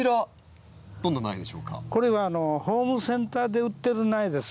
これはホームセンターで売ってる苗です。